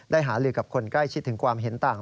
หาลือกับคนใกล้ชิดถึงความเห็นต่าง